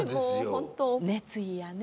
熱意やね